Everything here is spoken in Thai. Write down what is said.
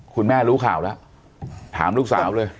๘๒คุณแม่รู้ข่าวแล้วถามลูกสาวเลย